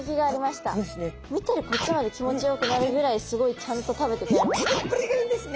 見てるこっちまで気持ちよくなるぐらいすごいちゃんと食べてくれますね。